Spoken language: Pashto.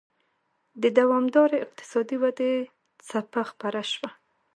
د دوامدارې اقتصادي ودې څپه خپره شوه.